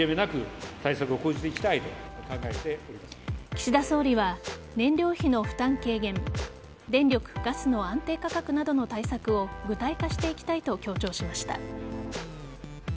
岸田総理は、燃料費の負担軽減電力・ガスの安定価格などの対策を具体化していきたいと強調しました。